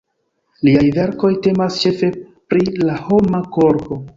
Liaj verkoj temas ĉefe pri la homa korpo.